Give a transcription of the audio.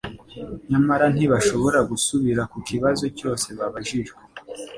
nyamara ntibashobora gusubiLa ku kibazo cyose babajijwe.